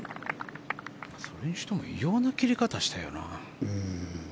それにしても異様な切れ方したよな。